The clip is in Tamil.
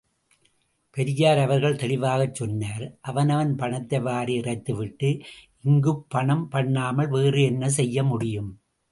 பெரியார் அவர்கள் தெளிவாகச் சொன்னார், அவனவன் பணத்தை வாரி இறைத்துவிட்டு இங்குப் பணம் பண்ணாமல் வேறு என்ன செய்யமுடியும்.